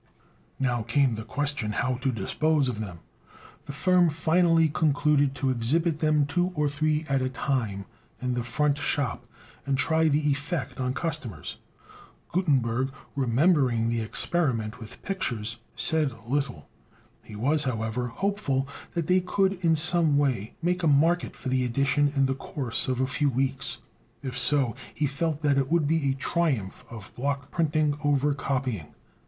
Now came the question how to dispose of them. The firm finally concluded to exhibit them two or three at a time in the front shop, and try the effect on customers. Gutenberg, remembering the experiment with pictures, said little. He was, however, hopeful that they could in some way make a market for the edition in the course of a few weeks. If so, he felt that it would be a triumph of block printing over copying.